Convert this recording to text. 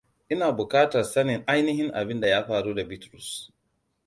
Ina buƙatar sanin ainihin abin da ya faru da Bitrus.